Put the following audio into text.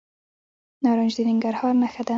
نارنج د ننګرهار نښه ده.